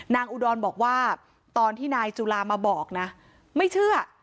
อุดรบอกว่าตอนที่นายจุลามาบอกนะไม่เชื่อ